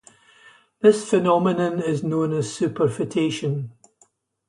This phenomenon is known as superfetation.